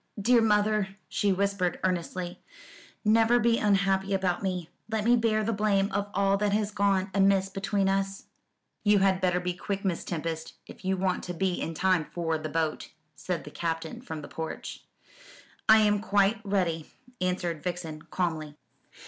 "Dear mother," she whispered earnestly, "never be unhappy about me. Let me bear the blame of all that has gone amiss between us." "You had better be quick, Miss Tempest, if you want to be in time for the boat," said the Captain from the porch. "I am quite ready," answered Vixen calmly.